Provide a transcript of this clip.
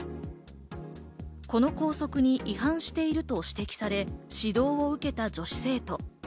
この校則に違反していると指摘され、指導を受けた女子生徒。